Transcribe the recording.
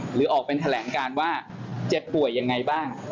หรือออกเป็นแถลงการว่าเจ็บป่วยยังไงบ้าง